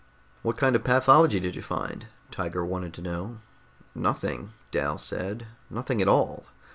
"What kind of pathology did you find?" Tiger wanted to know. "Nothing," Dal said. "Nothing at all.